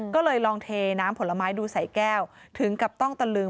ก็เลยลองเทน้ำผลไม้ดูใส่แก้วถึงกับต้องตะลึง